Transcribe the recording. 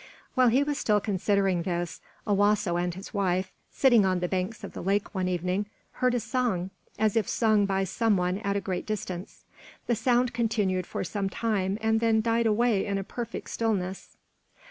While he was still considering this, Owasso and his wife, sitting on the banks of the lake one evening, heard a song, as if sung by some one at a great distance. The sound continued for some time and then died away in perfect stillness.